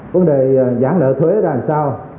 vấn đề giãn nợ thuế ra làm sao